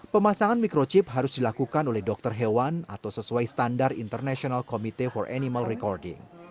pemasangan microchip harus dilakukan oleh dokter hewan atau sesuai standar international committee for animal recording